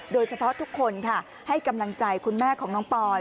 โดยเฉพาะทุกคนค่ะให้กำลังใจคุณแม่ของน้องปอย